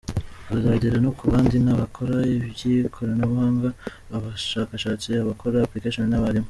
Buzagera no ku bandi nk’abakora iby’ikoranabuhanga, abashakashatsi, abakora applications n’abarimu.